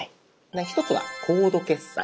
一つは「コード決済」。